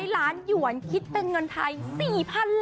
ล้านหยวนคิดเป็นเงินไทย๔๐๐๐ล้าน